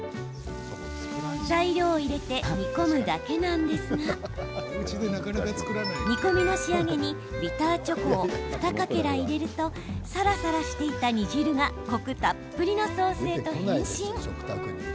材料を入れて煮込むだけなんですが煮込みの仕上げにビターチョコを２かけら入れるとさらさらしていた煮汁がコクたっぷりのソースへと変身。